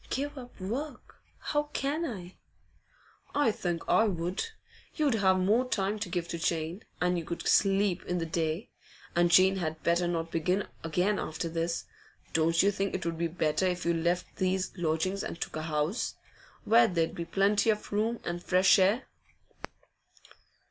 'Give up work? How can I?' 'I think I would. You'd have more time to give to Jane, and you could sleep in the day. And Jane had better not begin again after this. Don't you think it would be better if you left these lodgings and took a house, where there'd be plenty of room and fresh air?